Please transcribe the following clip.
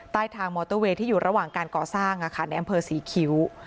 ใต้ทางมอเตอร์เวย์ที่อยู่ระหว่างการก่อสร้างในอำเภอศรีคิ้ว